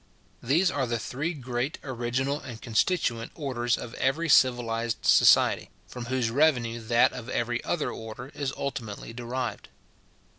These are the three great, original, and constituent, orders of every civilized society, from whose revenue that of every other order is ultimately derived.